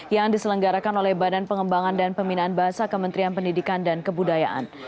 yang diselenggarakan oleh badan pengembangan dan pembinaan bahasa kementerian pendidikan dan kebudayaan